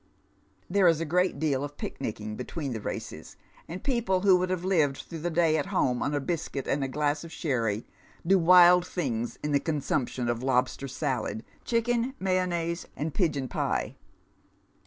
There is a great deal of picnicking between the races, and people who would have lived through the day at home on a biscuit and a glass of sherry, do wild things in the consumption of lobster salad, chicken, mayonnaise, and pigeon pie.